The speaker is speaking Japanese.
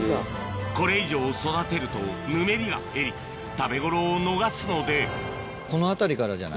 これ以上育てるとぬめりが減り食べ頃を逃すのでこの辺りからじゃない？